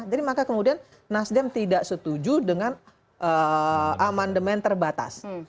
maka kemudian nasdem tidak setuju dengan amandemen terbatas